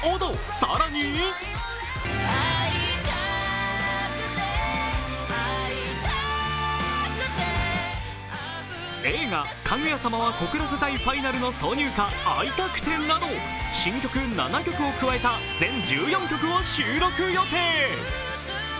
さらに、映画「かぐや様は告らせたいファイナル」の挿入歌、「会いたくて」など新曲７曲を加えた全１４曲を収録予定。